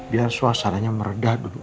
biar suasananya meredah dulu